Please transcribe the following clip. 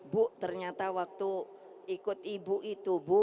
bu ternyata waktu ikut ibu itu bu